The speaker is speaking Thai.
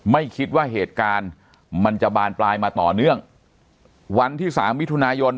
ไม่คิดว่าเหตุการณ์มันจะบานปลายมาต่อเนื่องวันที่สามมิถุนายน